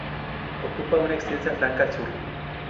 Ocupa una extensa franja al sur.